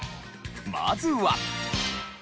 まずは。